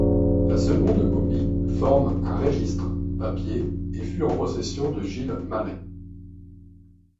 La seconde copie forme un registre papier et fut en possession de Gilles Mallet.